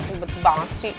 udah banget sih